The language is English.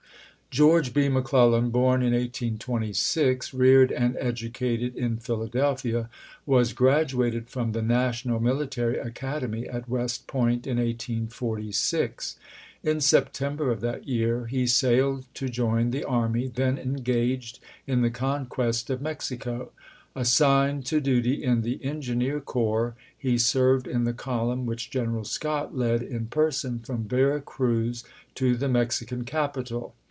George B. McClellan, born in 1826, reared and educated in Philadelphia, was graduated from the National Military Academy at West Point, in 1846. In September of that year he sailed to join the army then engaged in the conquest of Mexico. Assigned to duty in the engineer corps, he served in the column which General Scott led in person from Vera Cruz to the Mexican capital.